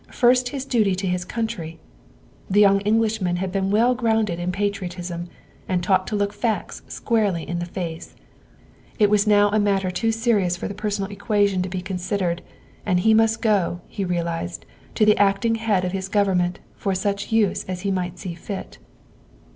First his duty to his country. The young Englishman had been well grounded in patriotism and taught to look facts squarely in the face. It was now a matter too serious for the personal equation to be considered, and must go, he realized, to the acting head of his Govern ment for such use as he might see fit.